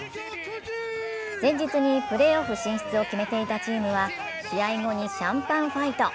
前日にプレーオフ進出を決めていたチームは試合後にシャンパンファイト。